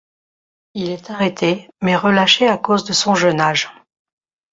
Il est arrêté, mais relâché à cause de son jeune âge.